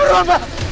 hantu bulu hati pak